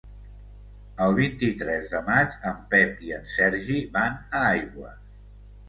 El vint-i-tres de maig en Pep i en Sergi van a Aigües.